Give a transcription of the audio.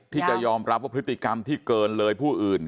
ที่จะยอมรับว่าพฤติกรรมที่เกินเลยผู้อื่น